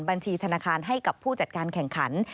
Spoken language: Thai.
บัญชีธนาคารให้กับผู้จัดการแข่งขัน